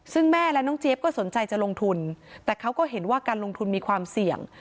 ซึ่งแม่และน้องเจี๊ยบก็สนใจจะลงทุนแต่เขาก็เห็นว่าการลงทุนมีความเสี่ยง